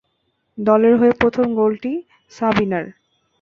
দলের হয়ে প্রথম গোলটি সাবিনার।